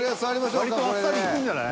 割とあっさりいくんじゃない？